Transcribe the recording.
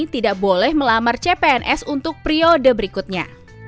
tidak boleh melamar cpns untuk periode berikutnya